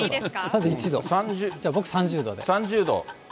３１度、じゃあ、僕３０度で。